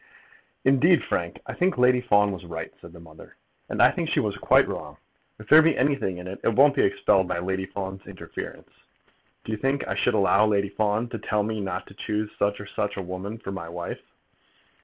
"Indeed, Frank, I think Lady Fawn was right," said the mother. "And I think she was quite wrong. If there be anything in it, it won't be expelled by Lady Fawn's interference. Do you think I should allow Lady Fawn to tell me not to choose such or such a woman for my wife?"